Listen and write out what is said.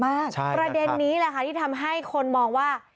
ใช่นะครับใช่ครับประเด็นนี้แหละที่ทำให้คนมองว่า